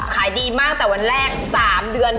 ขายดีมากแต่วันแรก๓เดือน